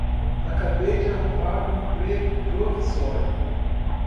Acabei de arrumar um emprego provisório.